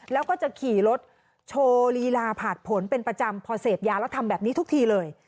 แล้วก็จะขี่รถโชว์ลีลาผ่านผลเป็นประจำพอเสพยาแล้วทำแบบนี้ทุกทีเลย